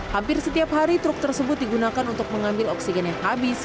hampir setiap hari truk tersebut digunakan untuk mengambil oksigen yang habis